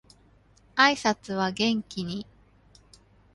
挨拶は元気に